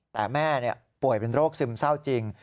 แต่แม่ป่วยเป็นโรคซึมเศร้าจริง